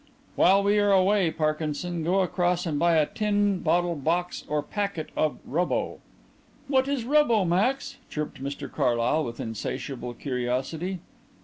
"While we are away, Parkinson, go across and buy a tin, bottle, box or packet of 'Rubbo.'" "What is 'Rubbo,' Max?" chirped Mr Carlyle with insatiable curiosity.